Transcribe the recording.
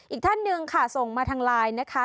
อีกท่านหนึ่งค่ะส่งมาทางไลน์นะคะ